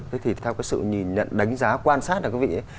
thế thì theo cái sự nhìn nhận đánh giá quan sát là các vị ấy